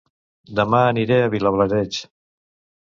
Dema aniré a Vilablareix